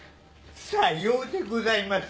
さようでございます